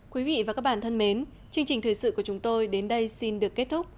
quý vị và các bạn thân mến chương trình thời sự của chúng tôi đến đây xin được kết thúc